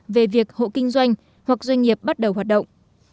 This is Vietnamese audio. về việc hộ kinh doanh hoặc doanh nghiệp bắt đầu hoạt động